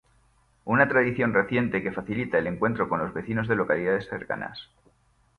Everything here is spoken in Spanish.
Una tradición reciente que facilita el encuentro con los vecinos de localidades cercanas.